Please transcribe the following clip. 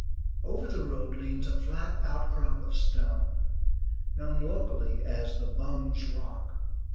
Over the road leans a flat outcrop of stone, known locally as "The Bum's Rock."